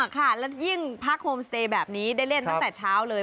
ค่ะแล้วยิ่งผ้าโฮมสเตย์แบบนี้ได้เล่นตั้งแต่เช้าเลย